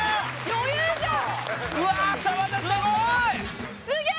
余裕じゃん。